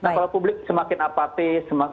nah kalau publik semakin apatis